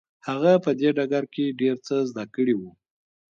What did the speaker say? هغه په دې ډګر کې ډېر څه زده کړي وو.